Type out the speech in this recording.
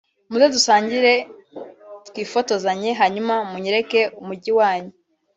muze dusangire twifotozanye hanyuma munyereke umujyi wanyu